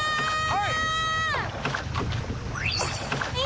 はい。